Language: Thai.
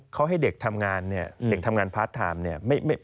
เขาให้เด็กทำงานเนี่ยเด็กทำงานพาร์ทไทม์เนี่ย